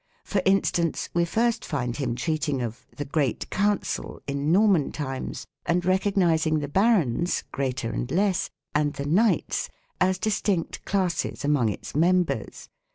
2 For instance, we first find him treating of " the great council " in Norman times and recognizing the barons (greater and less) and the " knights" as distinct classes among its members.